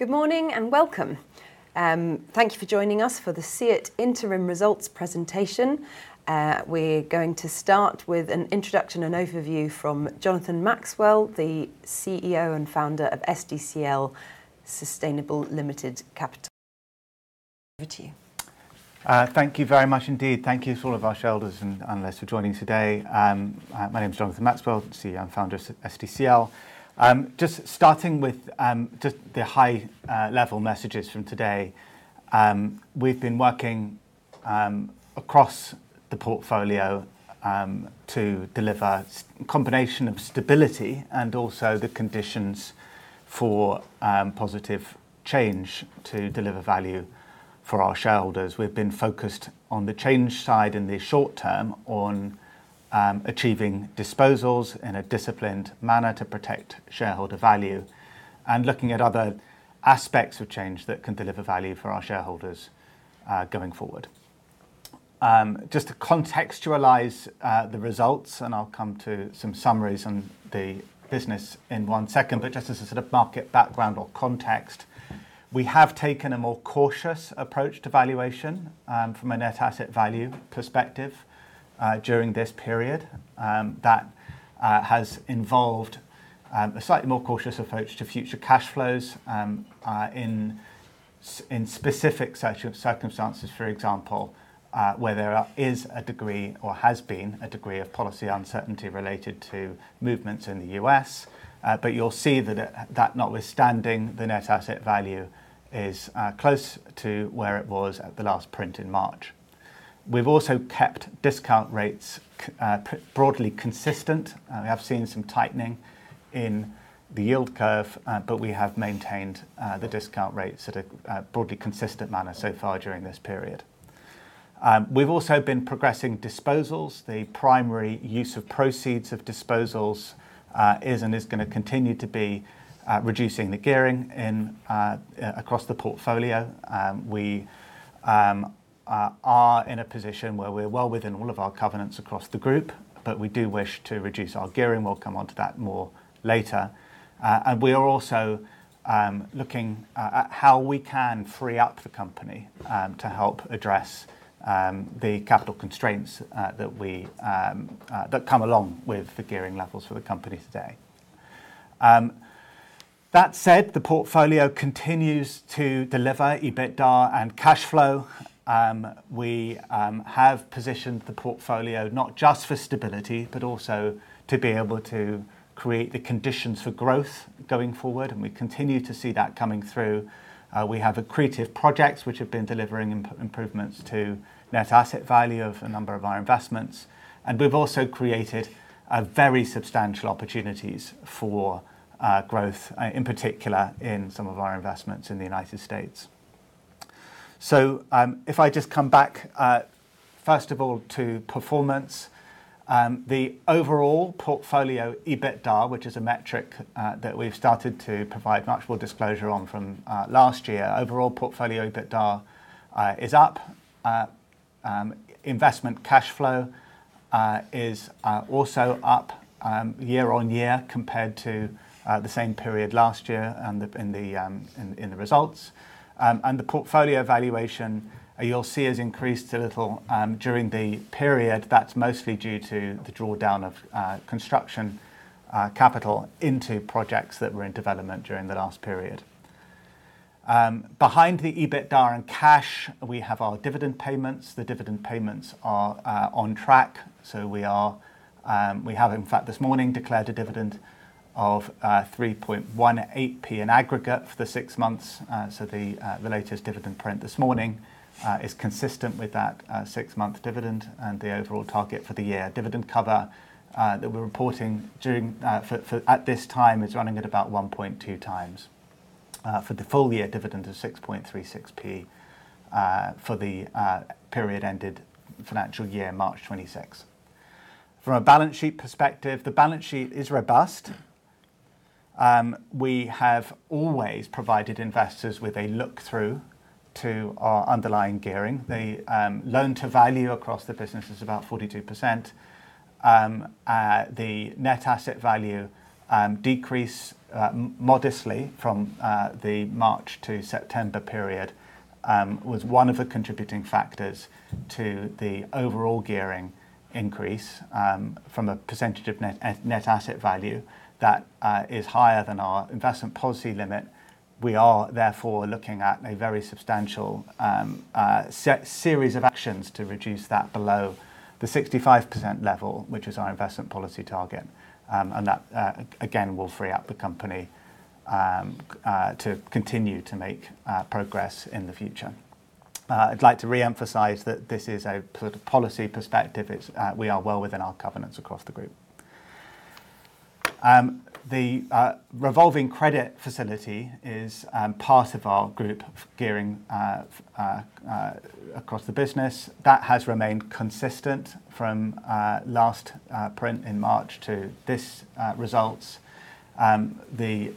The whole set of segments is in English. Good morning and welcome. Thank you for joining us for the SEEIT Interim Results presentation. We're going to start with an introduction and overview from Jonathan Maxwell, the CEO and founder of SDCL Sustainable Limited Capital. Over to you. Thank you very much indeed. Thank you to all of our shareholders and guests for joining today. My name is Jonathan Maxwell, CEO and Founder of SDCL. Just starting with just the high-level messages from today, we've been working across the portfolio to deliver a combination of stability and also the conditions for positive change to deliver value for our shareholders. We've been focused on the change side in the short term on achieving disposals in a disciplined manner to protect shareholder value and looking at other aspects of change that can deliver value for our shareholders going forward. Just to contextualize the results, and I'll come to some summaries on the business in one second, but just as a sort of market background or context, we have taken a more cautious approach to valuation from a net asset value perspective during this period. That has involved a slightly more cautious approach to future cash flows in specific circumstances, for example, where there is a degree or has been a degree of policy uncertainty related to movements in the U.S. But you'll see that, that notwithstanding, the net asset value is close to where it was at the last print in March. We've also kept discount rates broadly consistent. We have seen some tightening in the yield curve, but we have maintained the discount rates at a broadly consistent manner so far during this period. We've also been progressing disposals. The primary use of proceeds of disposals is and is going to continue to be reducing the gearing across the portfolio. We are in a position where we're well within all of our covenants across the group, but we do wish to reduce our gearing. We'll come on to that more later. And we are also looking at how we can free up the company to help address the capital constraints that come along with the gearing levels for the company today. That said, the portfolio continues to deliver EBITDA and cash flow. We have positioned the portfolio not just for stability, but also to be able to create the conditions for growth going forward. And we continue to see that coming through. We have accretive projects which have been delivering improvements to net asset value of a number of our investments. And we've also created very substantial opportunities for growth, in particular in some of our investments in the United States. So if I just come back, first of all, to performance, the overall portfolio EBITDA, which is a metric that we've started to provide much more disclosure on from last year, overall portfolio EBITDA is up. Investment cash flow is also up year-on-year compared to the same period last year in the results. And the portfolio valuation you'll see has increased a little during the period. That's mostly due to the drawdown of construction capital into projects that were in development during the last period. Behind the EBITDA and cash, we have our dividend payments. The dividend payments are on track. So we have, in fact, this morning declared a dividend of 3.18 in aggregate for the six months. So the latest dividend print this morning is consistent with that six-month dividend and the overall target for the year. Dividend cover that we're reporting at this time is running at about 1.2x. For the full year, dividend is 6.36 for the period ended financial year, March 2026. From a balance sheet perspective, the balance sheet is robust. We have always provided investors with a look-through to our underlying gearing. The loan-to-value across the business is about 42%. The net asset value decrease modestly from the March to September period was one of the contributing factors to the overall gearing increase from a percentage of net asset value that is higher than our investment policy limit. We are therefore looking at a very substantial series of actions to reduce that below the 65% level, which is our investment policy target. And that, again, will free up the company to continue to make progress in the future. I'd like to re-emphasize that this is a sort of policy perspective. We are well within our covenants across the group. The revolving credit facility is part of our group gearing across the business. That has remained consistent from last print in March to these results. The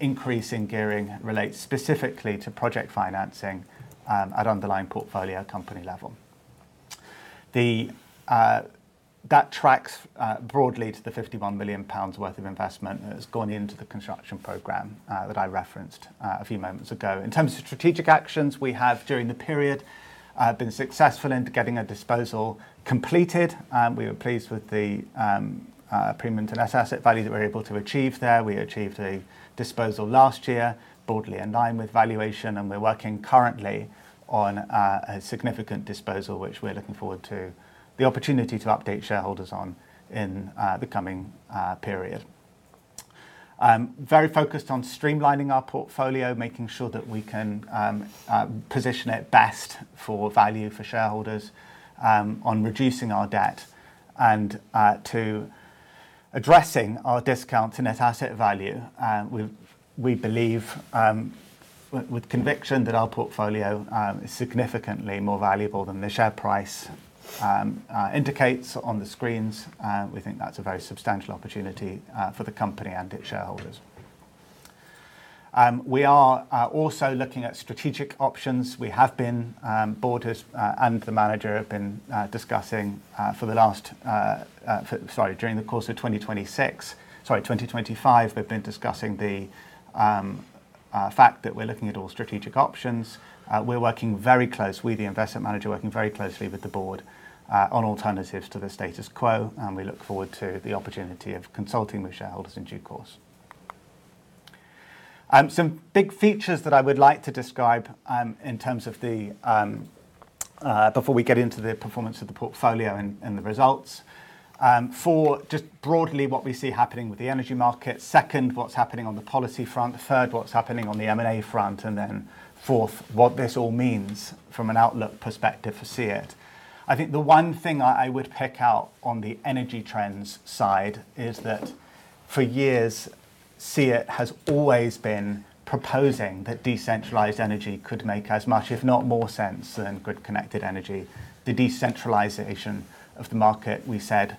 increase in gearing relates specifically to project financing at underlying portfolio company level. That tracks broadly to the 51 million pounds worth of investment that has gone into the construction program that I referenced a few moments ago. In terms of strategic actions, we have during the period been successful in getting a disposal completed. We were pleased with the premium to net asset value that we were able to achieve there. We achieved a disposal last year, broadly in line with valuation, and we're working currently on a significant disposal, which we're looking forward to the opportunity to update shareholders on in the coming period. Very focused on streamlining our portfolio, making sure that we can position it best for value for shareholders on reducing our debt and to addressing our discount to net asset value. We believe with conviction that our portfolio is significantly more valuable than the share price indicates on the screens. We think that's a very substantial opportunity for the company and its shareholders. We are also looking at strategic options. We have been the board and the manager have been discussing for the last, sorry, during the course of 2026, sorry, 2025, we've been discussing the fact that we're looking at all strategic options. We're working very closely, the investment manager working very closely with the board on alternatives to the status quo. We look forward to the opportunity of consulting with shareholders in due course. Some big features that I would like to describe in terms of the, before we get into the performance of the portfolio and the results. For just broadly, what we see happening with the energy market, second, what's happening on the policy front, third, what's happening on the M&A front, and then fourth, what this all means from an outlook perspective for SEEIT. I think the one thing I would pick out on the energy trends side is that for years, SEEIT has always been proposing that decentralized energy could make as much, if not more sense than grid-connected energy. The decentralization of the market, we said,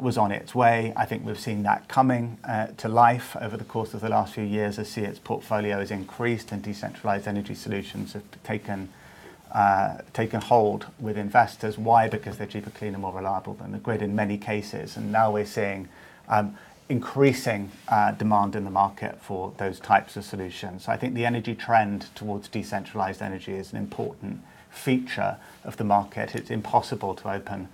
was on its way. I think we've seen that coming to life over the course of the last few years as SEEIT's portfolio has increased and decentralized energy solutions have taken hold with investors. Why? Because they're cheaper, cleaner, more reliable than the grid in many cases, and now we're seeing increasing demand in the market for those types of solutions. I think the energy trend towards decentralized energy is an important feature of the market. It's impossible to open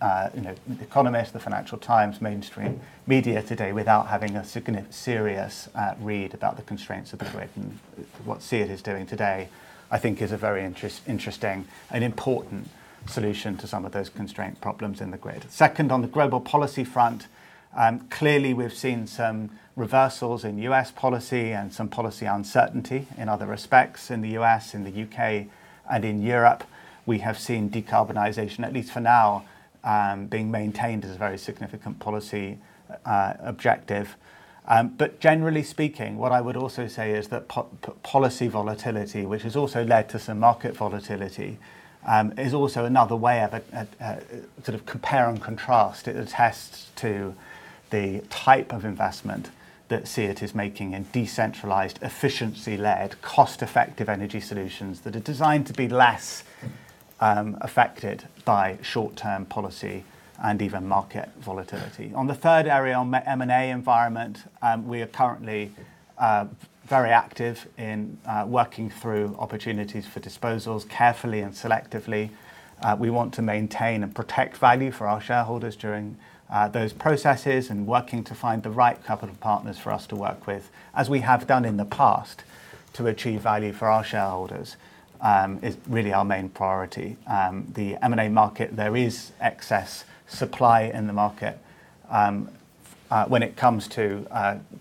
The Economist, The Financial Times, mainstream media today without having a serious read about the constraints of the grid, and what SEEIT is doing today, I think, is a very interesting and important solution to some of those constraint problems in the grid. Second, on the global policy front, clearly we've seen some reversals in U.S. policy and some policy uncertainty in other respects in the U.S., in the U.K., and in Europe. We have seen decarbonization, at least for now, being maintained as a very significant policy objective, but generally speaking, what I would also say is that policy volatility, which has also led to some market volatility, is also another way of sort of compare and contrast. It attests to the type of investment that SEEIT is making in decentralized, efficiency-led, cost-effective energy solutions that are designed to be less affected by short-term policy and even market volatility. On the third area, M&A environment, we are currently very active in working through opportunities for disposals carefully and selectively. We want to maintain and protect value for our shareholders during those processes and working to find the right capital partners for us to work with, as we have done in the past, to achieve value for our shareholders is really our main priority. The M&A market, there is excess supply in the market when it comes to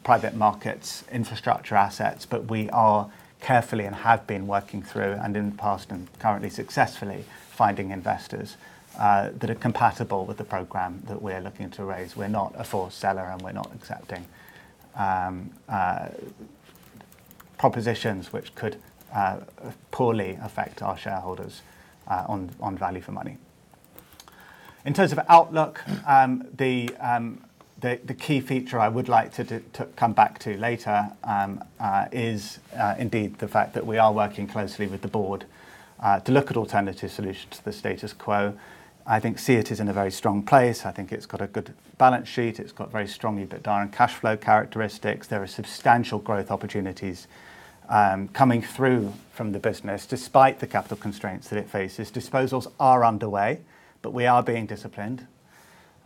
private markets, infrastructure assets, but we are carefully and have been working through and in the past and currently successfully finding investors that are compatible with the program that we're looking to raise. We're not a forced seller and we're not accepting propositions which could poorly affect our shareholders on value for money. In terms of outlook, the key feature I would like to come back to later is indeed the fact that we are working closely with the board to look at alternative solutions to the status quo. I think SEEIT is in a very strong place. I think it's got a good balance sheet. It's got very strong EBITDA and cash flow characteristics. There are substantial growth opportunities coming through from the business despite the capital constraints that it faces. Disposals are underway, but we are being disciplined.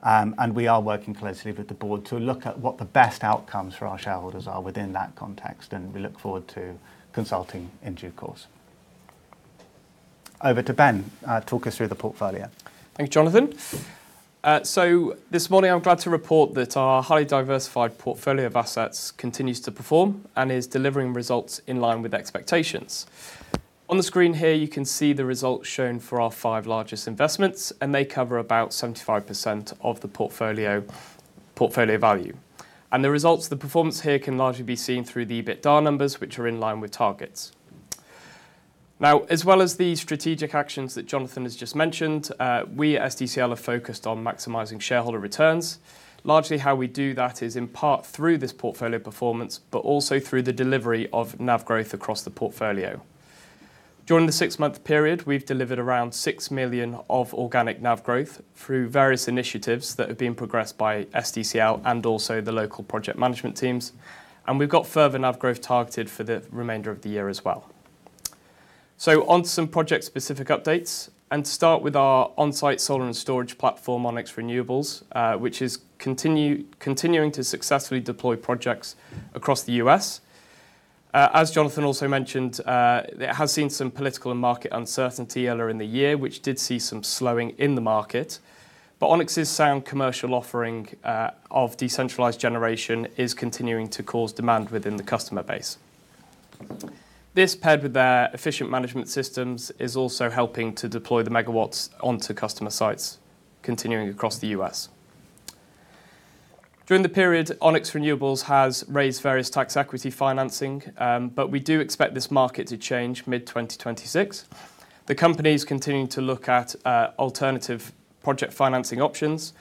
And we are working closely with the board to look at what the best outcomes for our shareholders are within that context. And we look forward to consulting in due course. Over to Ben to talk us through the portfolio. Thanks, Jonathan. This morning, I'm glad to report that our highly diversified portfolio of assets continues to perform and is delivering results in line with expectations. On the screen here, you can see the results shown for our five largest investments, and they cover about 75% of the portfolio value. The results, the performance here can largely be seen through the EBITDA numbers, which are in line with targets. Now, as well as the strategic actions that Jonathan has just mentioned, we at SDCL have focused on maximizing shareholder returns. Largely, how we do that is in part through this portfolio performance, but also through the delivery of NAV growth across the portfolio. During the six-month period, we've delivered around 6 million of organic NAV growth through various initiatives that have been progressed by SDCL and also the local project management teams. We've got further NAV growth targeted for the remainder of the year as well. On to some project-specific updates. To start with our on-site solar and storage platform, Onyx Renewables, which is continuing to successfully deploy projects across the U.S. As Jonathan also mentioned, it has seen some political and market uncertainty earlier in the year, which did see some slowing in the market. But Onyx's sound commercial offering of decentralized generation is continuing to cause demand within the customer base. This, paired with their efficient management systems, is also helping to deploy the megawatts onto customer sites continuing across the U.S. During the period, Onyx Renewables has raised various tax equity financing, but we do expect this market to change mid-2026. The company is continuing to look at alternative project financing options,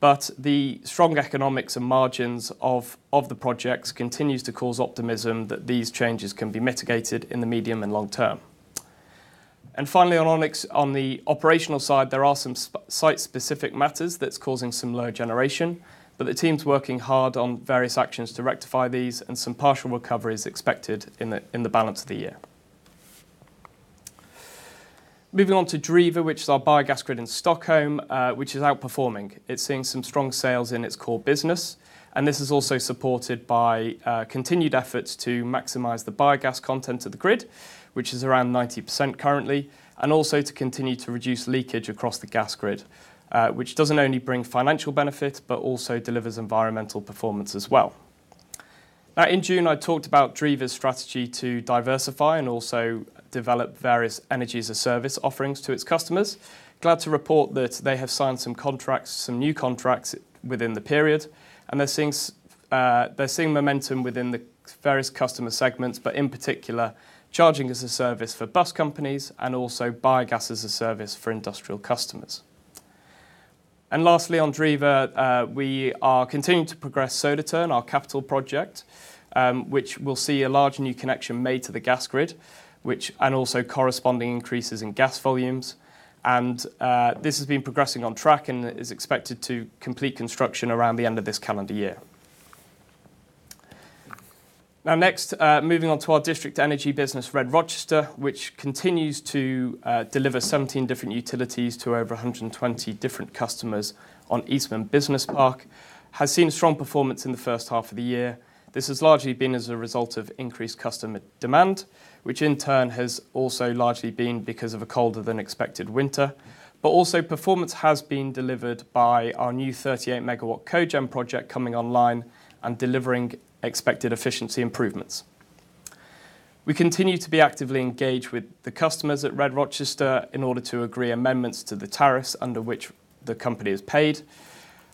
but the strong economics and margins of the projects continue to cause optimism that these changes can be mitigated in the medium and long term. And finally, on the operational side, there are some site-specific matters that are causing some low generation, but the team's working hard on various actions to rectify these and some partial recovery is expected in the balance of the year. Moving on to Driva, which is our biogas grid in Stockholm, which is outperforming. It's seeing some strong sales in its core business. And this is also supported by continued efforts to maximize the biogas content of the grid, which is around 90% currently, and also to continue to reduce leakage across the gas grid, which doesn't only bring financial benefit, but also delivers environmental performance as well. Now, in June, I talked about Driva's strategy to diversify and also develop various energy-as-a-service offerings to its customers. Glad to report that they have signed some contracts, some new contracts within the period. And they're seeing momentum within the various customer segments, but in particular, charging as a service for bus companies and also biogas as a service for industrial customers. And lastly, on Driva, we are continuing to progress Södertörn, our capital project, which will see a large new connection made to the gas grid, and also corresponding increases in gas volumes. And this has been progressing on track and is expected to complete construction around the end of this calendar year. Now, next, moving on to our district energy business, RED-Rochester, which continues to deliver 17 different utilities to over 120 different customers on Eastman Business Park, has seen strong performance in the first half of the year. This has largely been as a result of increased customer demand, which in turn has also largely been because of a colder-than-expected winter, but also performance has been delivered by our new 38 MW Cogen project coming online and delivering expected efficiency improvements. We continue to be actively engaged with the customers at RED-Rochester in order to agree amendments to the tariffs under which the company is paid,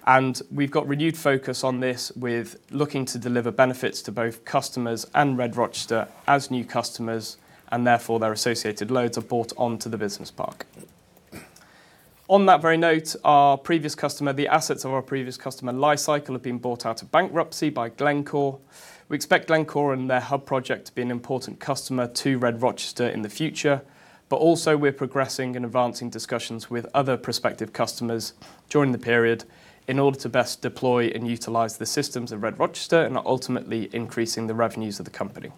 and we've got renewed focus on this with looking to deliver benefits to both customers and RED-Rochester as new customers, and therefore their associated loads are brought onto the business park. On that very note, our previous customer, the assets of our previous customer, Li-Cycle, have been bought out of bankruptcy by Glencore. We expect Glencore and their Hub Project to be an important customer to RED-Rochester in the future. But also, we're progressing and advancing discussions with other prospective customers during the period in order to best deploy and utilize the systems of RED-Rochester and ultimately increasing the revenues of the company.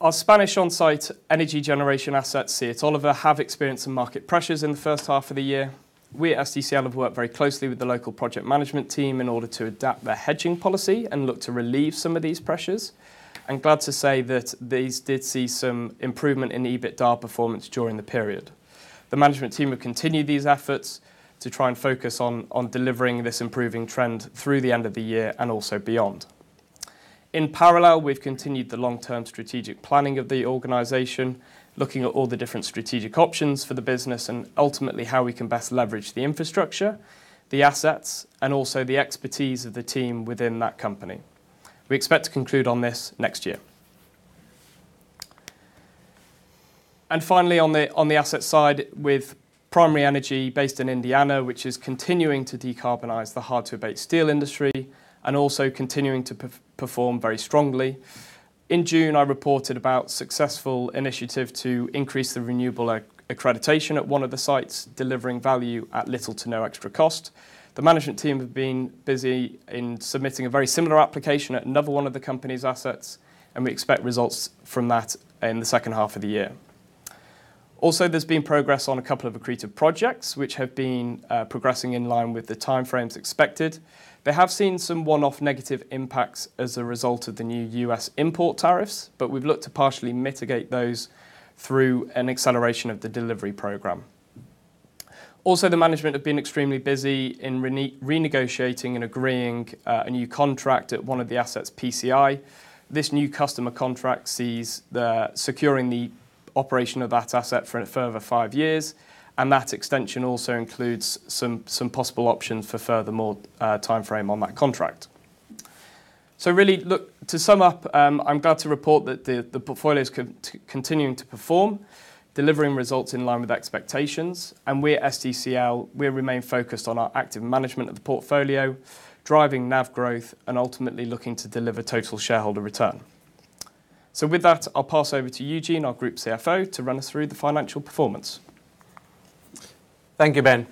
Our Spanish on-site energy generation assets, SEEIT Oliva, have experienced some market pressures in the first half of the year. We at SDCL have worked very closely with the local project management team in order to adapt their hedging policy and look to relieve some of these pressures. And, glad to say that these did see some improvement in EBITDA performance during the period. The management team will continue these efforts to try and focus on delivering this improving trend through the end of the year and also beyond. In parallel, we've continued the long-term strategic planning of the organization, looking at all the different strategic options for the business and ultimately how we can best leverage the infrastructure, the assets, and also the expertise of the team within that company. We expect to conclude on this next year, and finally, on the asset side with Primary Energy based in Indiana, which is continuing to decarbonize the hard-to-abate steel industry and also continuing to perform very strongly. In June, I reported about a successful initiative to increase the renewable accreditation at one of the sites, delivering value at little to no extra cost. The management team have been busy in submitting a very similar application at another one of the company's assets, and we expect results from that in the second half of the year. Also, there's been progress on a couple of accretive projects, which have been progressing in line with the timeframes expected. They have seen some one-off negative impacts as a result of the new U.S. import tariffs, but we've looked to partially mitigate those through an acceleration of the delivery program. Also, the management have been extremely busy in renegotiating and agreeing on a new contract at one of the assets' PCI. This new customer contract sees securing the operation of that asset for a further five years. And that extension also includes some possible options for further more timeframe on that contract. So really, to sum up, I'm glad to report that the portfolio is continuing to perform, delivering results in line with expectations. And we at SDCL, we remain focused on our active management of the portfolio, driving NAV growth, and ultimately looking to deliver total shareholder return. So with that, I'll pass over to Eugene, our Group CFO, to run us through the financial performance. Thank you, Ben.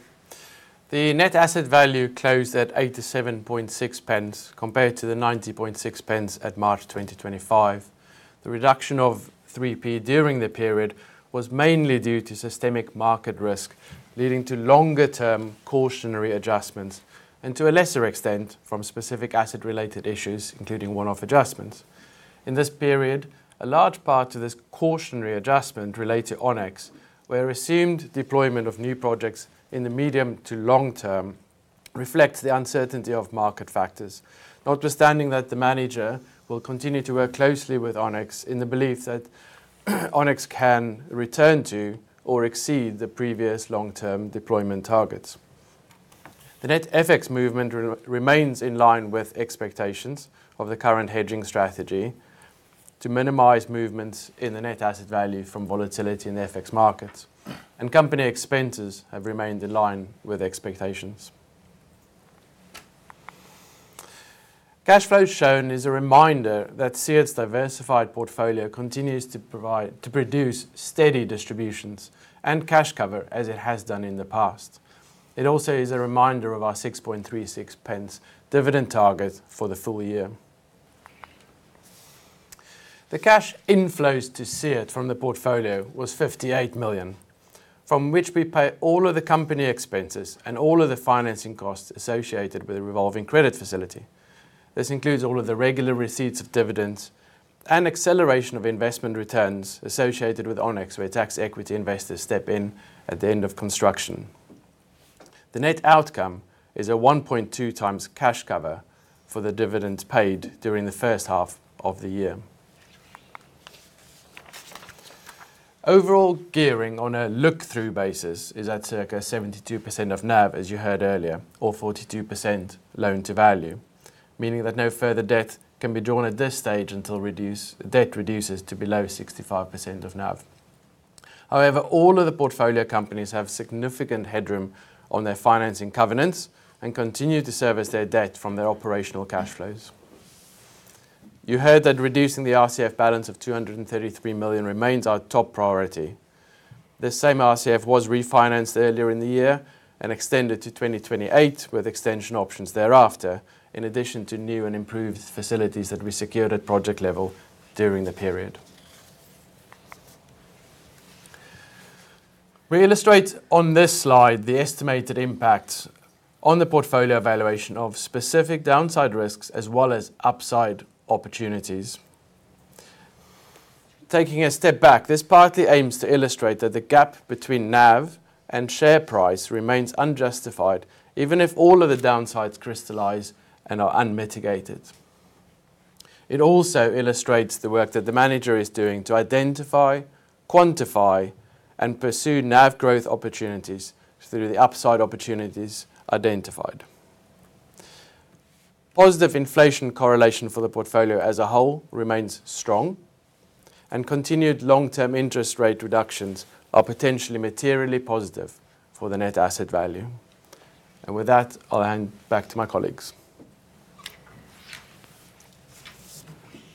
The net asset value closed at 87.60 compared to the 90.60 at March 2025. The reduction of 0.03 during the period was mainly due to systemic market risk, leading to longer-term cautionary adjustments and to a lesser extent from specific asset-related issues, including one-off adjustments. In this period, a large part of this cautionary adjustment related to Onyx, where assumed deployment of new projects in the medium to long term reflects the uncertainty of market factors, notwithstanding that the manager will continue to work closely with Onyx in the belief that Onyx can return to or exceed the previous long-term deployment targets. The net FX movement remains in line with expectations of the current hedging strategy to minimize movements in the net asset value from volatility in the FX markets. And company expenses have remained in line with expectations. Cash flow shown is a reminder that SEEIT's diversified portfolio continues to produce steady distributions and cash cover as it has done in the past. It also is a reminder of our 6.36 dividend target for the full year. The cash inflows to SEEIT from the portfolio was 58 million, from which we pay all of the company expenses and all of the financing costs associated with the revolving credit facility. This includes all of the regular receipts of dividends and acceleration of investment returns associated with Onyx, where tax equity investors step in at the end of construction. The net outcome is a 1.2x cash cover for the dividends paid during the first half of the year. Overall gearing on a look-through basis is at circa 72% of NAV, as you heard earlier, or 42% loan to value, meaning that no further debt can be drawn at this stage until debt reduces to below 65% of NAV. However, all of the portfolio companies have significant headroom on their financing covenants and continue to service their debt from their operational cash flows. You heard that reducing the RCF balance of 233 million remains our top priority. This same RCF was refinanced earlier in the year and extended to 2028 with extension options thereafter, in addition to new and improved facilities that we secured at project level during the period. We illustrate on this slide the estimated impact on the portfolio evaluation of specific downside risks as well as upside opportunities. Taking a step back, this partly aims to illustrate that the gap between NAV and share price remains unjustified, even if all of the downsides crystallize and are unmitigated. It also illustrates the work that the manager is doing to identify, quantify, and pursue NAV growth opportunities through the upside opportunities identified. Positive inflation correlation for the portfolio as a whole remains strong, and continued long-term interest rate reductions are potentially materially positive for the net asset value. And with that, I'll hand back to my colleagues.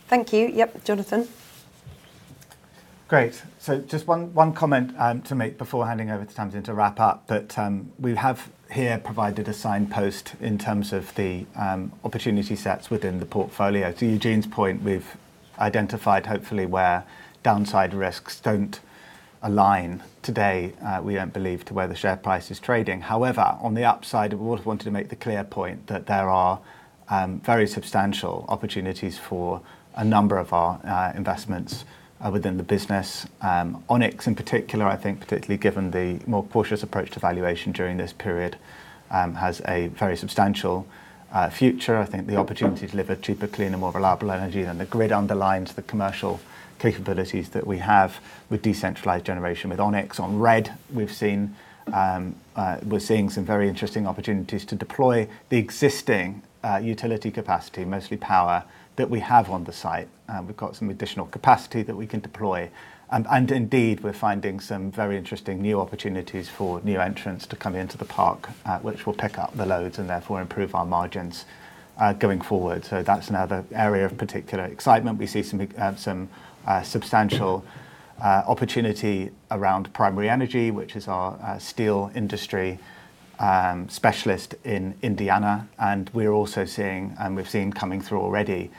Thank you. Yep, Jonathan. Great. So just one comment to make before handing over to Tamsin to wrap up, that we have here provided a signpost in terms of the opportunity sets within the portfolio. To Eugene's point, we've identified hopefully where downside risks don't align today, we don't believe, to where the share price is trading. However, on the upside, we would have wanted to make the clear point that there are very substantial opportunities for a number of our investments within the business. Onyx, in particular, I think, particularly given the more cautious approach to valuation during this period, has a very substantial future. I think the opportunity to deliver cheaper, cleaner, more reliable energy than the grid underlines the commercial capabilities that we have with decentralized generation. With Onyx on RED, we're seeing some very interesting opportunities to deploy the existing utility capacity, mostly power, that we have on the site. We've got some additional capacity that we can deploy, and indeed, we're finding some very interesting new opportunities for new entrants to come into the park, which will pick up the loads and therefore improve our margins going forward, so that's another area of particular excitement. We see some substantial opportunity around Primary Energy, which is our steel industry specialist in Indiana, and we're also seeing, and we've seen coming through already,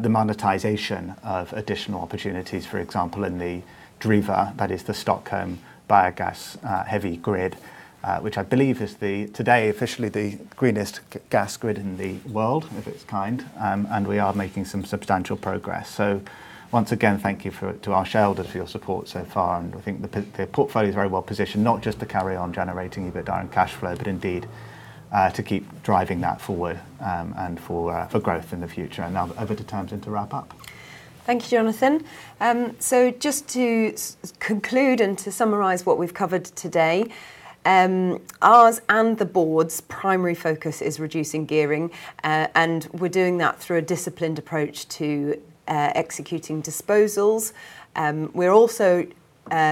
the monetization of additional opportunities, for example, in the Driva, that is the Stockholm biogas-heavy grid, which I believe is today officially the greenest gas grid in the world, if it's kind, and we are making some substantial progress, so once again, thank you to our shareholders for your support so far. I think the portfolio is very well positioned, not just to carry on generating EBITDA and cash flow, but indeed to keep driving that forward and for growth in the future. Now over to Tamsin to wrap up. Thank you, Jonathan. Just to conclude and to summarize what we've covered today, ours and the board's primary focus is reducing gearing. We're doing that through a disciplined approach to executing disposals. We're also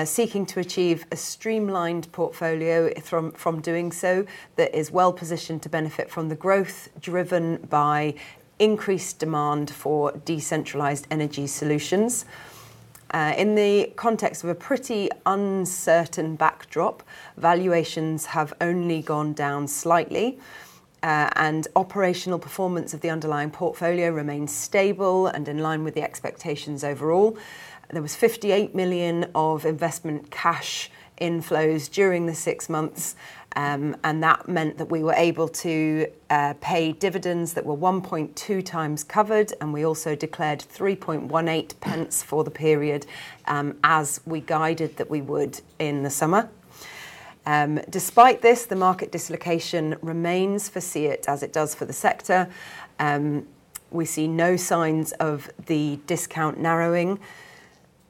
seeking to achieve a streamlined portfolio from doing so that is well positioned to benefit from the growth driven by increased demand for decentralized energy solutions. In the context of a pretty uncertain backdrop, valuations have only gone down slightly. Operational performance of the underlying portfolio remains stable and in line with the expectations overall. There was 58 million of investment cash inflows during the six months. And that meant that we were able to pay dividends that were 1.2x covered. And we also declared 3.18 for the period as we guided that we would in the summer. Despite this, the market dislocation remains for SEEIT as it does for the sector. We see no signs of the discount narrowing.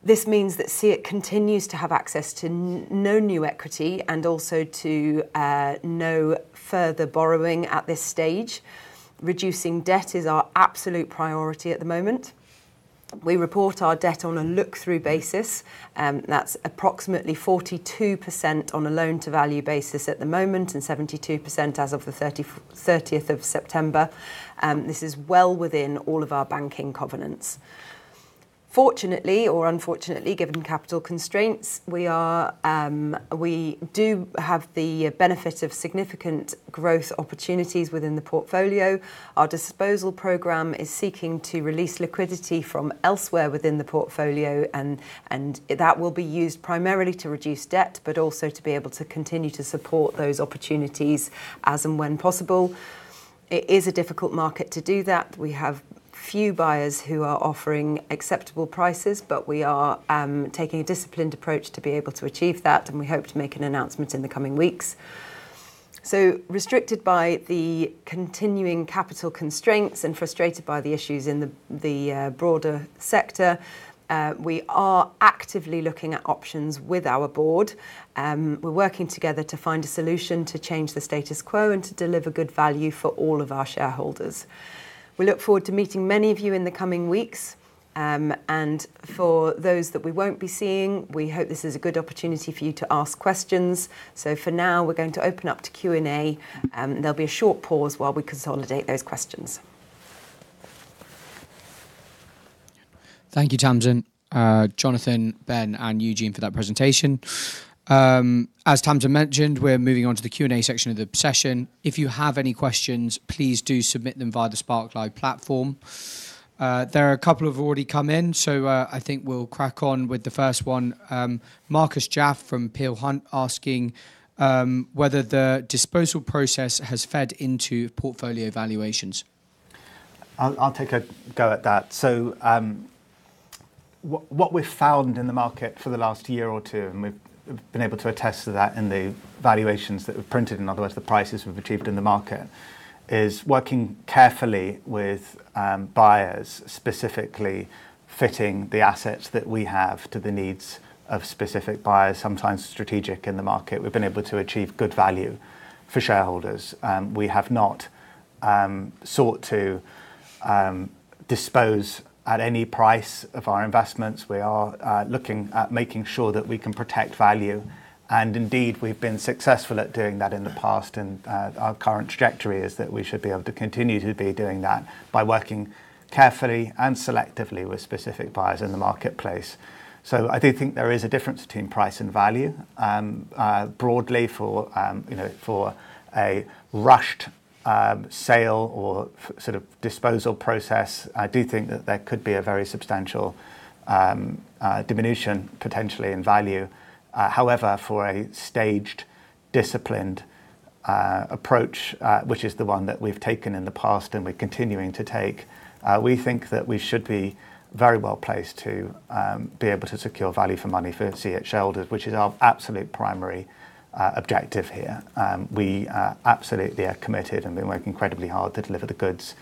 This means that SEEIT continues to have access to no new equity and also to no further borrowing at this stage. Reducing debt is our absolute priority at the moment. We report our debt on a look-through basis. That's approximately 42% on a loan to value basis at the moment and 72% as of the 30th of September. This is well within all of our banking covenants. Fortunately or unfortunately, given capital constraints, we do have the benefit of significant growth opportunities within the portfolio. Our disposal program is seeking to release liquidity from elsewhere within the portfolio, and that will be used primarily to reduce debt, but also to be able to continue to support those opportunities as and when possible. It is a difficult market to do that. We have few buyers who are offering acceptable prices, but we are taking a disciplined approach to be able to achieve that, and we hope to make an announcement in the coming weeks, so restricted by the continuing capital constraints and frustrated by the issues in the broader sector, we are actively looking at options with our board. We're working together to find a solution to change the status quo and to deliver good value for all of our shareholders. We look forward to meeting many of you in the coming weeks. For those that we won't be seeing, we hope this is a good opportunity for you to ask questions. So for now, we're going to open up to Q&A. There'll be a short pause while we consolidate those questions. Thank you, Tamsin, Jonathan, Ben, and Eugene for that presentation. As Tamsin mentioned, we're moving on to the Q&A section of the session. If you have any questions, please do submit them via the Spark Live platform. There are a couple of already come in, so I think we'll crack on with the first one. Markuz Jaffe from Peel Hunt asking whether the disposal process has fed into portfolio valuations. I'll take a go at that. So what we've found in the market for the last year or two, and we've been able to attest to that in the valuations that we've printed, in other words, the prices we've achieved in the market, is working carefully with buyers, specifically fitting the assets that we have to the needs of specific buyers, sometimes strategic in the market. We've been able to achieve good value for shareholders. We have not sought to dispose at any price of our investments. We are looking at making sure that we can protect value. And indeed, we've been successful at doing that in the past. And our current trajectory is that we should be able to continue to be doing that by working carefully and selectively with specific buyers in the marketplace. So I do think there is a difference between price and value. Broadly, for a rushed sale or sort of disposal process, I do think that there could be a very substantial diminution potentially in value. However, for a staged, disciplined approach, which is the one that we've taken in the past and we're continuing to take, we think that we should be very well placed to be able to secure value for money for SEEIT shareholders, which is our absolute primary objective here. We absolutely are committed and have been working incredibly hard to deliver the goods,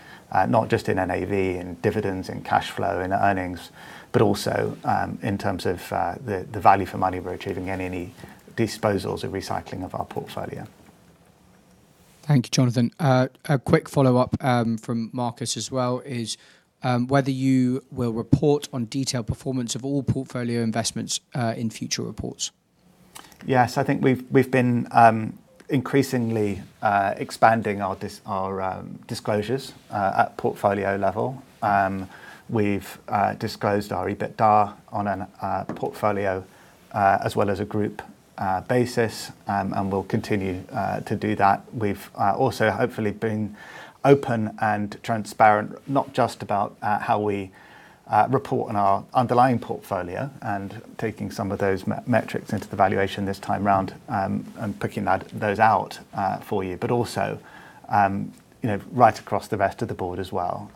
not just in NAV, in dividends, in cash flow, in earnings, but also in terms of the value for money we're achieving in any disposals or recycling of our portfolio. Thank you, Jonathan. A quick follow-up from Markuz as well is whether you will report on detailed performance of all portfolio investments in future reports? Yes, I think we've been increasingly expanding our disclosures at portfolio level. We've disclosed our EBITDA on a portfolio as well as a group basis, and we'll continue to do that. We've also hopefully been open and transparent, not just about how we report on our underlying portfolio and taking some of those metrics into the valuation this time around and picking those out for you, but also right across the rest of the board as well.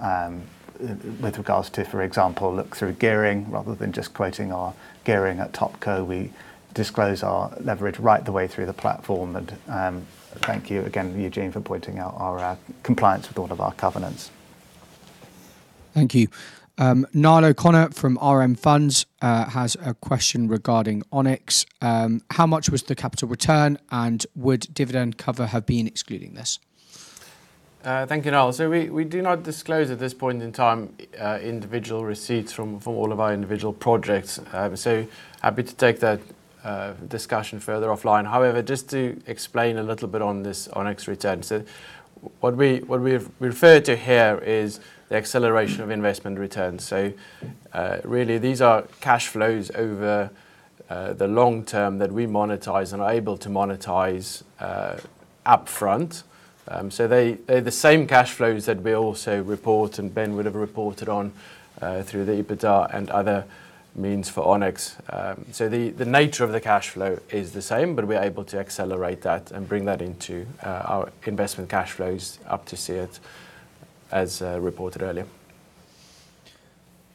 With regards to, for example, look-through gearing, rather than just quoting our gearing at Topco, we disclose our leverage right the way through the platform, and thank you again, Eugene, for pointing out our compliance with all of our covenants. Thank you. Niall O'Connor from RM Funds has a question regarding Onyx. How much was the capital return, and would dividend cover have been excluding this? Thank you, Niall. We do not disclose at this point in time individual receipts from all of our individual projects. Happy to take that discussion further offline. However, just to explain a little bit on this Onyx return. What we refer to here is the acceleration of investment returns. Really, these are cash flows over the long term that we monetize and are able to monetize upfront. They're the same cash flows that we also report and Ben would have reported on through the EBITDA and other means for Onyx. The nature of the cash flow is the same, but we're able to accelerate that and bring that into our investment cash flows up to SEEIT, as reported earlier.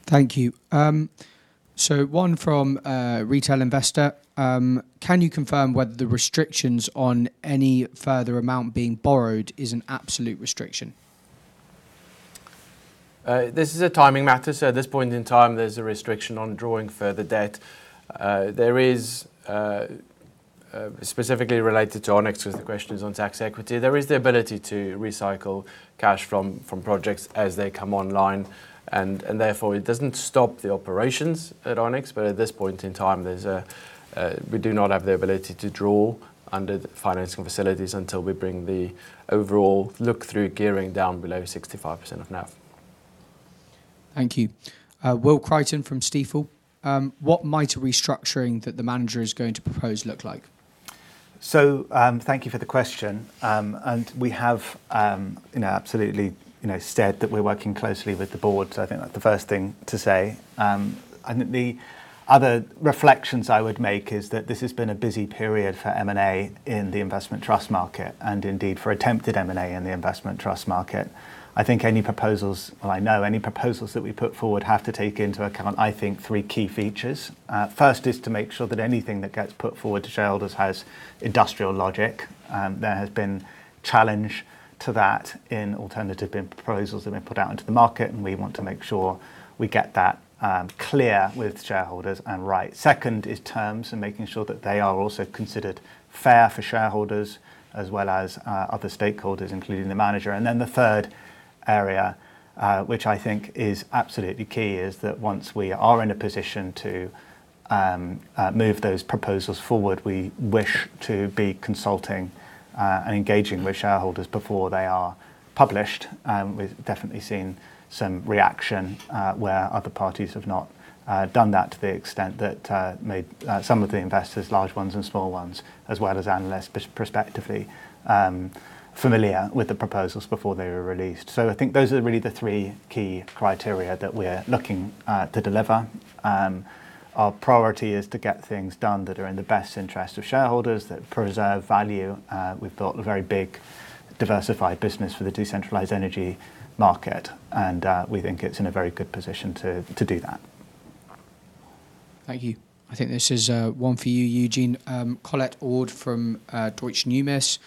Thank you. One from Retail Investor. Can you confirm whether the restrictions on any further amount being borrowed is an absolute restriction? This is a timing matter. So at this point in time, there's a restriction on drawing further debt. There is, specifically related to Onyx, because the question is on tax equity, there is the ability to recycle cash from projects as they come online. And therefore, it doesn't stop the operations at Onyx. But at this point in time, we do not have the ability to draw under the financing facilities until we bring the overall look-through gearing down below 65% of NAV. Thank you. Will Crighton from Stifel. What might a restructuring that the manager is going to propose look like? So thank you for the question. And we have absolutely said that we're working closely with the board. So I think that's the first thing to say. The other reflections I would make is that this has been a busy period for M&A in the investment trust market, and indeed for attempted M&A in the investment trust market. I think any proposals, well, I know any proposals that we put forward have to take into account, I think, three key features. First is to make sure that anything that gets put forward to shareholders has industrial logic. There has been challenge to that in alternative proposals that have been put out into the market. We want to make sure we get that clear with shareholders and right. Second is terms and making sure that they are also considered fair for shareholders as well as other stakeholders, including the manager. And then the third area, which I think is absolutely key, is that once we are in a position to move those proposals forward, we wish to be consulting and engaging with shareholders before they are published. We've definitely seen some reaction where other parties have not done that to the extent that made some of the investors, large ones and small ones, as well as analysts, prospectively familiar with the proposals before they were released. So I think those are really the three key criteria that we're looking to deliver. Our priority is to get things done that are in the best interest of shareholders, that preserve value. We've built a very big, diversified business for the decentralized energy market. And we think it's in a very good position to do that. Thank you. I think this is one for you, Eugene. Colette Ord from Deutsche Numis.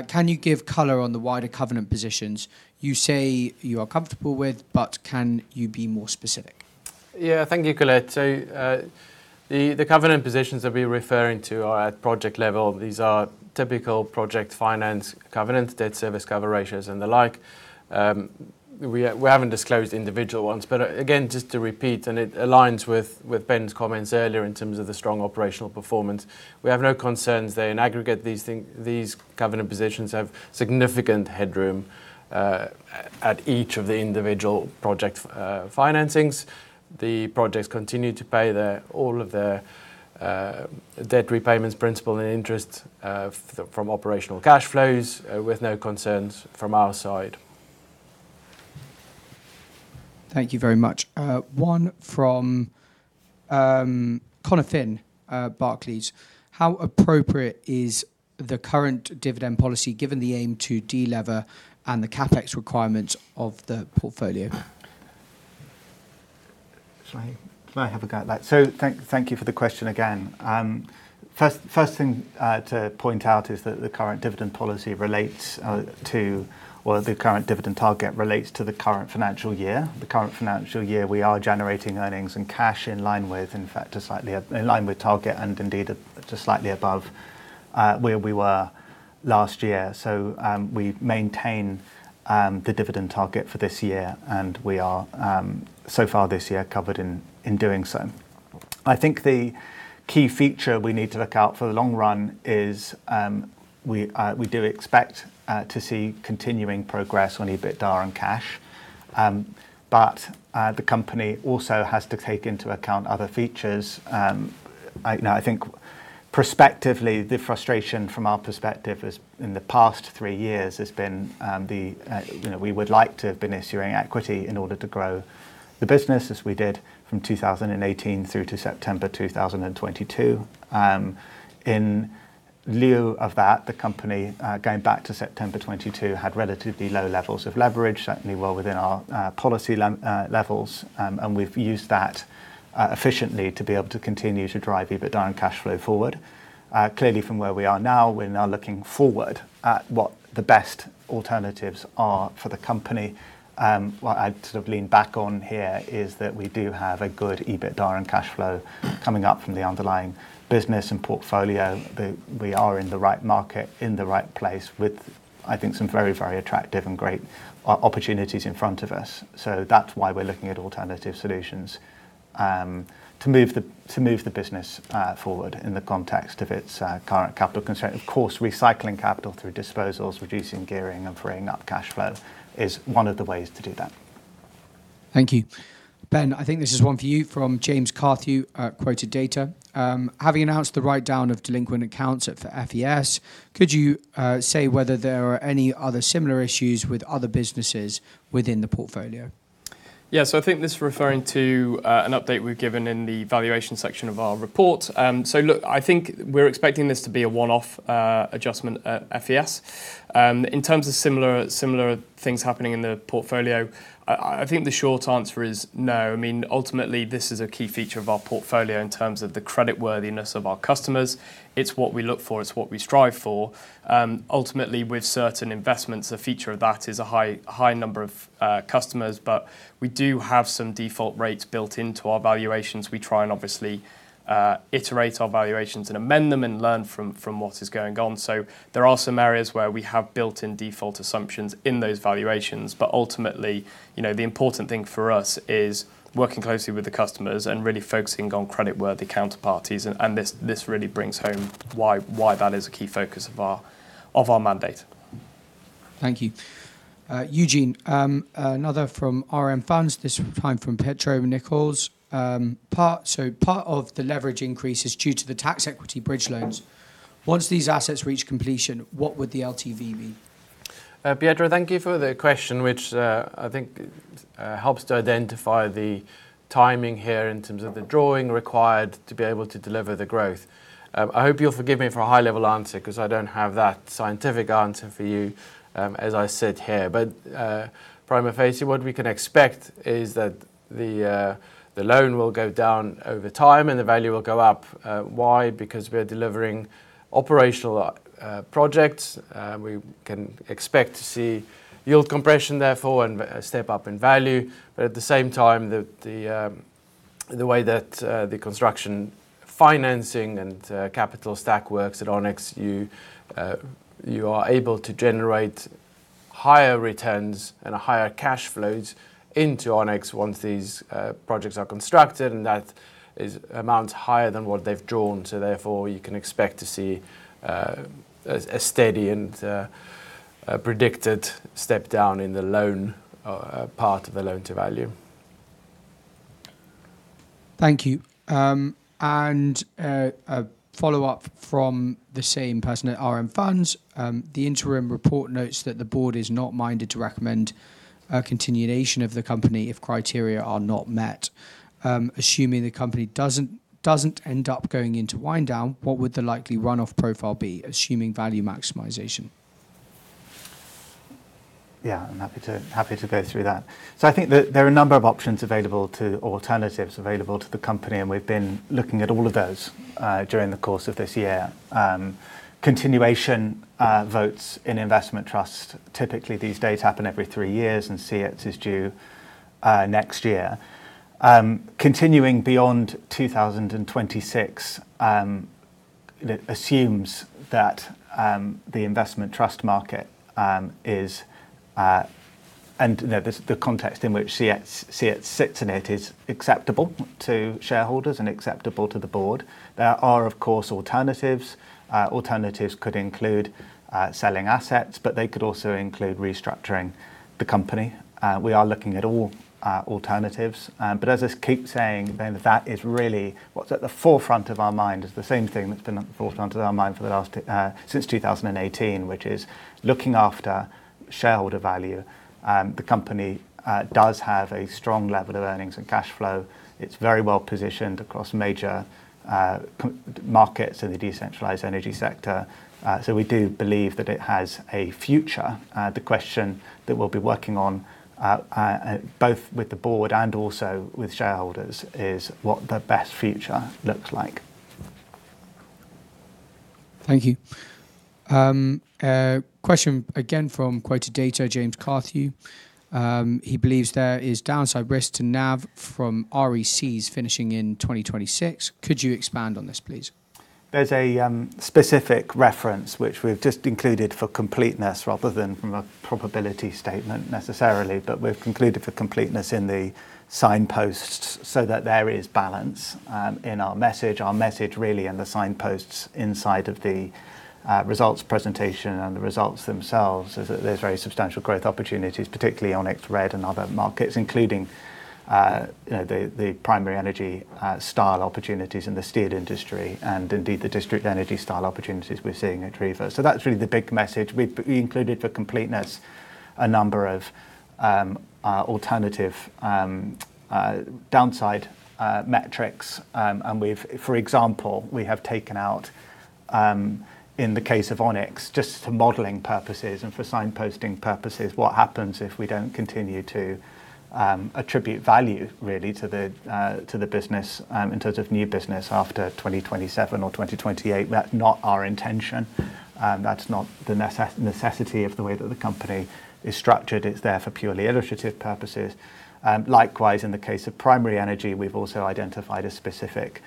Can you give color on the wider covenant positions you say you are comfortable with, but can you be more specific? Yeah, thank you, Colette. So the covenant positions that we're referring to are at project level. These are typical project finance covenants, debt service cover ratios, and the like. We haven't disclosed individual ones. But again, just to repeat, and it aligns with Ben's comments earlier in terms of the strong operational performance, we have no concerns that in aggregate, these covenant positions have significant headroom at each of the individual project financings. The projects continue to pay all of their debt repayments, principal and interest from operational cash flows, with no concerns from our side. Thank you very much. One from Colin, Barclays. How appropriate is the current dividend policy given the aim to de-lever and the CapEx requirements of the portfolio? Sorry, can I have a go at that? So, thank you for the question again. First thing to point out is that the current dividend policy relates to, or the current dividend target relates to the current financial year. The current financial year, we are generating earnings and cash in line with, in fact, a slightly in line with target and indeed just slightly above where we were last year. So we maintain the dividend target for this year, and we are, so far this year, covered in doing so. I think the key feature we need to look out for the long run is we do expect to see continuing progress on EBITDA and cash. But the company also has to take into account other features. I think prospectively, the frustration from our perspective in the past three years has been that we would like to have been issuing equity in order to grow the business, as we did from 2018 through to September 2022. In lieu of that, the company, going back to September 2022, had relatively low levels of leverage, certainly well within our policy levels. And we've used that efficiently to be able to continue to drive EBITDA and cash flow forward. Clearly, from where we are now, we're now looking forward at what the best alternatives are for the company. What I'd sort of lean back on here is that we do have a good EBITDA and cash flow coming up from the underlying business and portfolio. We are in the right market, in the right place, with, I think, some very, very attractive and great opportunities in front of us. That's why we're looking at alternative solutions to move the business forward in the context of its current capital constraint. Of course, recycling capital through disposals, reducing gearing, and freeing up cash flow is one of the ways to do that. Thank you. Ben, I think this is one for you from James Carthew, QuotedData. Having announced the write-down of delinquent accounts for FES, could you say whether there are any other similar issues with other businesses within the portfolio? Yeah, so I think this is referring to an update we've given in the valuation section of our report. Look, I think we're expecting this to be a one-off adjustment at FES. In terms of similar things happening in the portfolio, I think the short answer is no. I mean, ultimately, this is a key feature of our portfolio in terms of the creditworthiness of our customers. It's what we look for. It's what we strive for. Ultimately, with certain investments, a feature of that is a high number of customers. But we do have some default rates built into our valuations. We try and obviously iterate our valuations and amend them and learn from what is going on. So there are some areas where we have built-in default assumptions in those valuations. But ultimately, the important thing for us is working closely with the customers and really focusing on creditworthy counterparties. And this really brings home why that is a key focus of our mandate. Thank you. Eugene, another from RM Funds, this time from Pietro Nicholls. So part of the leverage increase is due to the tax equity bridge loans. Once these assets reach completion, what would the LTV be? Pietro, thank you for the question, which I think helps to identify the timing here in terms of the drawing required to be able to deliver the growth. I hope you'll forgive me for a high-level answer because I don't have that scientific answer for you, as I said here. But prima facie, what we can expect is that the loan will go down over time and the value will go up. Why? Because we're delivering operational projects. We can expect to see yield compression, therefore, and a step up in value. But at the same time, the way that the construction financing and capital stack works at Onyx, you are able to generate higher returns and higher cash flows into Onyx once these projects are constructed. And that amounts higher than what they've drawn. So therefore, you can expect to see a steady and predicted step down in the loan part of the loan-to-value. Thank you. And a follow-up from the same person at RM Funds. The interim report notes that the board is not minded to recommend a continuation of the company if criteria are not met. Assuming the company doesn't end up going into wind down, what would the likely run-off profile be, assuming value maximization? Yeah, I'm happy to go through that. So I think there are a number of options available to alternatives available to the company. And we've been looking at all of those during the course of this year. Continuation votes in investment trusts typically these days happen every three years, and SEEIT is due next year. Continuing beyond 2026 assumes that the investment trust market is, and the context in which SEEIT sits in it is acceptable to shareholders and acceptable to the board. There are, of course, alternatives. Alternatives could include selling assets, but they could also include restructuring the company. We are looking at all alternatives. But as I keep saying, Ben, that is really what's at the forefront of our mind is the same thing that's been at the forefront of our mind since 2018, which is looking after shareholder value. The company does have a strong level of earnings and cash flow. It's very well positioned across major markets in the decentralized energy sector. So we do believe that it has a future. The question that we'll be working on, both with the board and also with shareholders, is what the best future looks like. Thank you. Question again from QuotedData, James Carthew. He believes there is downside risk to NAV from RECs finishing in 2026. Could you expand on this, please? There's a specific reference, which we've just included for completeness rather than from a probability statement necessarily. But we've included for completeness in the signposts so that there is balance in our message. Our message really and the signposts inside of the results presentation and the results themselves is that there's very substantial growth opportunities, particularly on RED and other markets, including the Primary Energy style opportunities in the steel industry and indeed the district energy style opportunities we're seeing at RED. So that's really the big message. We included for completeness a number of alternative downside metrics. For example, we have taken out, in the case of Onyx, just for modeling purposes and for signposting purposes, what happens if we don't continue to attribute value, really, to the business in terms of new business after 2027 or 2028. That's not our intention. That's not the necessity of the way that the company is structured. It's there for purely illustrative purposes. Likewise, in the case of Primary Energy, we've also identified a specific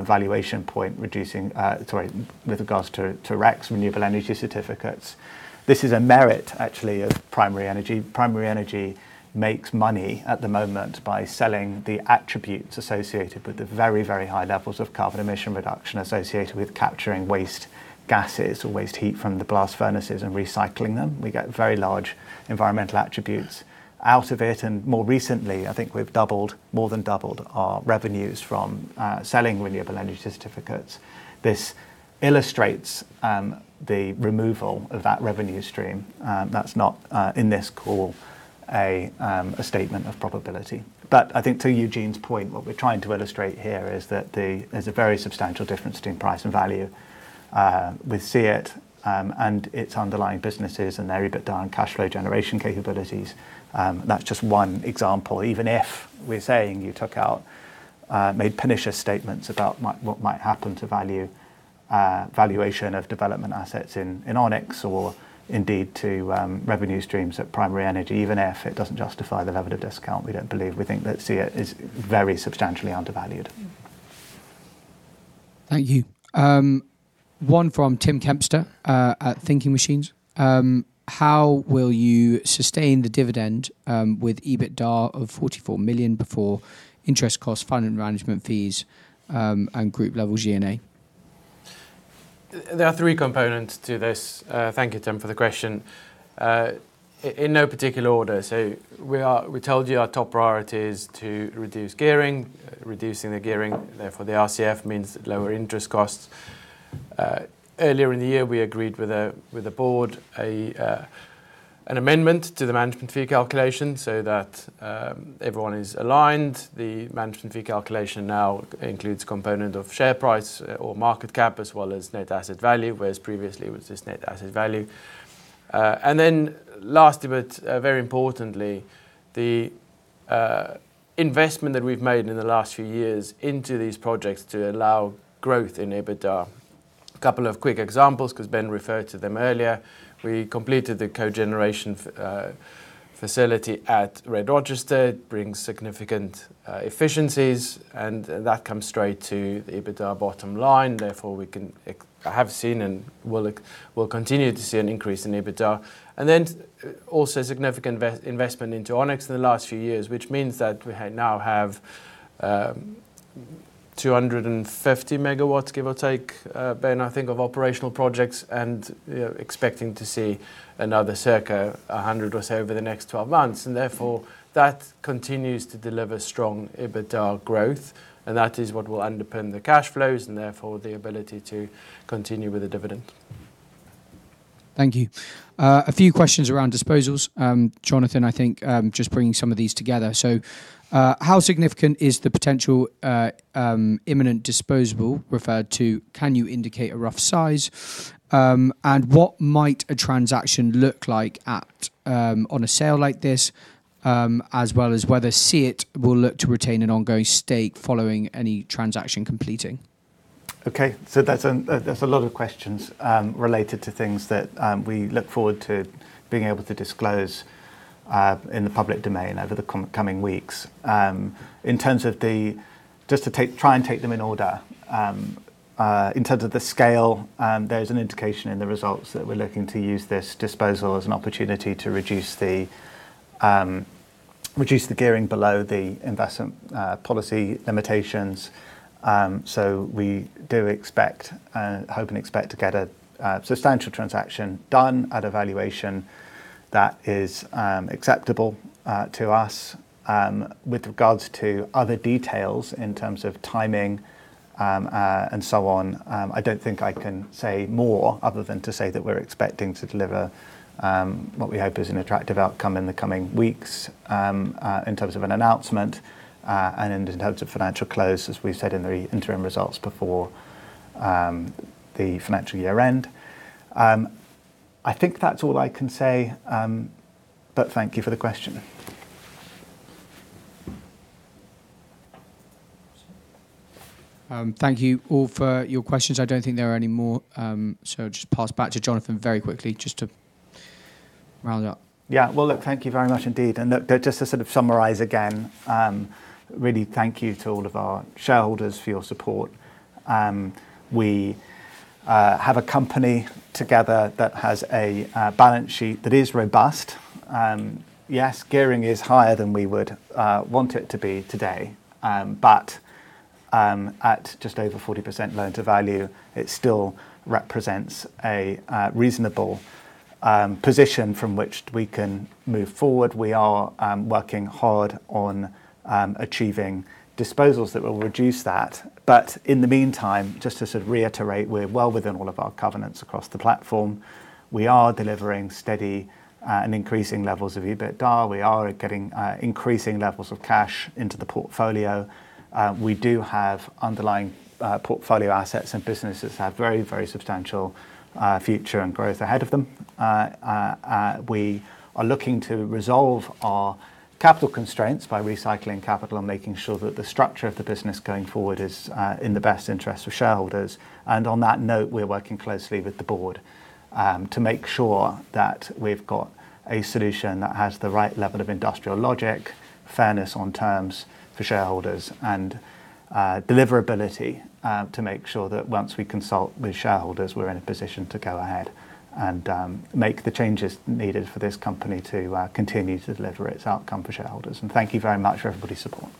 valuation point, reducing, sorry, with regards to RECs, Renewable Energy Certificates. This is a merit, actually, of Primary Energy. Primary Energy makes money at the moment by selling the attributes associated with the very, very high levels of carbon emission reduction associated with capturing waste gases or waste heat from the blast furnaces and recycling them. We get very large environmental attributes out of it. And more recently, I think we've doubled, more than doubled, our revenues from selling renewable energy certificates. This illustrates the removal of that revenue stream. That's not, in this call, a statement of probability. But I think to Eugene's point, what we're trying to illustrate here is that there's a very substantial difference between price and value with SEEIT and its underlying businesses and their EBITDA and cash flow generation capabilities. That's just one example. Even if we're saying you took out, made pernicious statements about what might happen to valuation of development assets in Onyx or indeed to revenue streams at Primary Energy, even if it doesn't justify the level of discount, we don't believe. We think that SEEIT is very substantially undervalued. Thank you. One from Tim Kempster at Thinking Machines. How will you sustain the dividend with EBITDA of 44 million before interest costs, finance management fees, and group level G&A? There are three components to this. Thank you, Tim, for the question. In no particular order. We told you our top priority is to reduce gearing, reducing the gearing. Therefore, the RCF means lower interest costs. Earlier in the year, we agreed with the board an amendment to the management fee calculation so that everyone is aligned. The management fee calculation now includes a component of share price or market cap as well as net asset value, whereas previously it was just net asset value. Then lastly, but very importantly, the investment that we've made in the last few years into these projects to allow growth in EBITDA. A couple of quick examples because Ben referred to them earlier. We completed the cogeneration facility at RED-Rochester. It brings significant efficiencies, and that comes straight to the EBITDA bottom line. Therefore, we have seen and will continue to see an increase in EBITDA. And then also significant investment into Onyx in the last few years, which means that we now have 250 MW, give or take, Ben, I think, of operational projects and expecting to see another circa 100 MW or so over the next 12 months. And therefore, that continues to deliver strong EBITDA growth. And that is what will underpin the cash flows and therefore the ability to continue with the dividend. Thank you. A few questions around disposals. Jonathan, I think just bringing some of these together. So how significant is the potential imminent disposal referred to? Can you indicate a rough size? What might a transaction look like on a sale like this, as well as whether SEEIT will look to retain an ongoing stake following any transaction completing? Okay. That's a lot of questions related to things that we look forward to being able to disclose in the public domain over the coming weeks. In terms of the, just to try and take them in order, in terms of the scale, there's an indication in the results that we're looking to use this disposal as an opportunity to reduce the gearing below the investment policy limitations. We do expect and hope and expect to get a substantial transaction done at a valuation that is acceptable to us. With regards to other details in terms of timing and so on, I don't think I can say more other than to say that we're expecting to deliver what we hope is an attractive outcome in the coming weeks in terms of an announcement and in terms of financial close, as we said in the interim results before the financial year end. I think that's all I can say. But thank you for the question. Thank you all for your questions. I don't think there are any more. So I'll just pass back to Jonathan very quickly just to round up. Yeah. Well, look, thank you very much indeed. And look, just to sort of summarize again, really thank you to all of our shareholders for your support. We have a company together that has a balance sheet that is robust. Yes, gearing is higher than we would want it to be today. But at just over 40% loan-to-value, it still represents a reasonable position from which we can move forward. We are working hard on achieving disposals that will reduce that. But in the meantime, just to sort of reiterate, we're well within all of our covenants across the platform. We are delivering steady and increasing levels of EBITDA. We are getting increasing levels of cash into the portfolio. We do have underlying portfolio assets and businesses that have very, very substantial future and growth ahead of them. We are looking to resolve our capital constraints by recycling capital and making sure that the structure of the business going forward is in the best interest of shareholders. And on that note, we're working closely with the board to make sure that we've got a solution that has the right level of industrial logic, fairness on terms for shareholders, and deliverability to make sure that once we consult with shareholders, we're in a position to go ahead and make the changes needed for this company to continue to deliver its outcome for shareholders. And thank you very much for everybody's support.